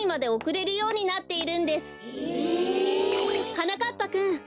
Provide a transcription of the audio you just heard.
はなかっぱくん。